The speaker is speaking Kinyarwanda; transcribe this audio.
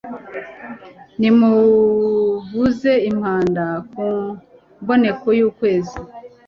nimuvuze impanda ku mboneko y'ukwezi